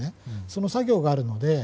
その作業があるんですね。